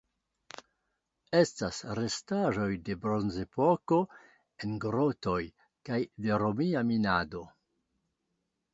Estas restaĵoj de Bronzepoko en grotoj kaj de romia minado.